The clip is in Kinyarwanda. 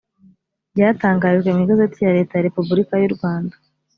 ryatangarijwe mu igazeti ya leta ya repubulika y’u rwanda